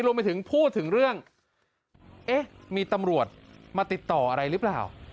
รวมไปถึงพูดถึงเรื่องเอ๊ะมีตำรวจมาติดต่ออะไรหรือเปล่า